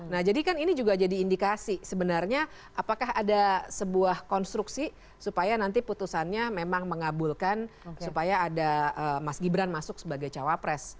nah jadi kan ini juga jadi indikasi sebenarnya apakah ada sebuah konstruksi supaya nanti putusannya memang mengabulkan supaya ada mas gibran masuk sebagai cawapres